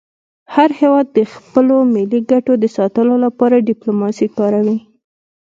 هر هېواد د خپلو ملي ګټو د ساتلو لپاره ډيپلوماسي کاروي.